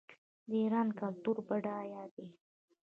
د ایران کلتور بډایه دی.